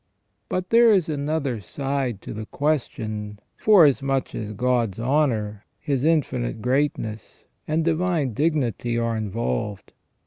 But there is another side to the question, forasmuch as God's honour, His infinite greatness, and divine dignity are involved.